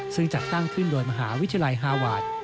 ซึ่งจัดตั้งขึ้นโดยมหาวิทยาลัยฮาวาส